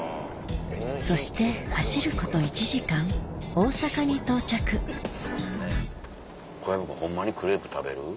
そして走ること１時間小籔君ホンマにクレープ食べる？